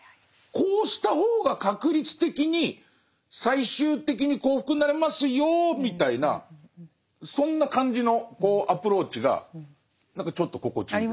こうした方が確率的に最終的に幸福になれますよみたいなそんな感じのアプローチが何かちょっと心地いいです。